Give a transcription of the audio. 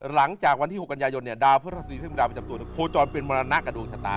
หลังจากวันที่๖กันยายนเนี่ยดาวพระราชดีขึ้นดาวประจำตัวโคจรเป็นมรณะกับดวงชะตา